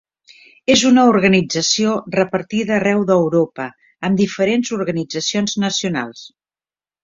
És una organització repartida arreu d'Europa, amb diferents organitzacions nacionals.